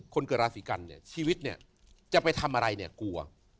คนเกิดราศีกรรมชีวิตจะไปทำอะไรกลัว